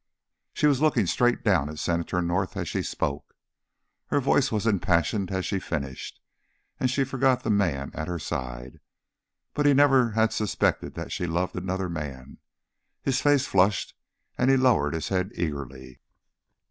She was looking straight down at Senator North as she spoke. Her voice was impassioned as she finished, and she forgot the man at her side. But he never had suspected that she loved another man. His face flushed and he lowered his head eagerly.